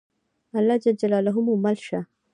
الله ج مو مل شه.